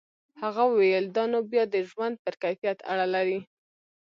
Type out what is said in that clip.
هغه وویل دا نو بیا د ژوند پر کیفیت اړه لري.